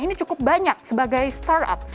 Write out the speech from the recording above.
ini cukup banyak sebagai startup